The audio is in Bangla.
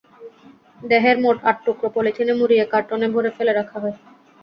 দেহের মোট আটটি টুকরো পলিথিনে মুড়িয়ে কার্টনে ভরে ফেলা রাখা হয়।